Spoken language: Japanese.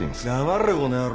黙れこの野郎。